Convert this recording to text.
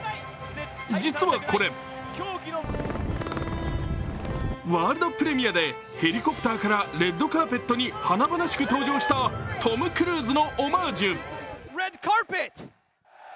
実はこれ、ワールドプレミアでヘリコプターからレッドカーペットに華々しく登場したトム・クルーズのオマージュ。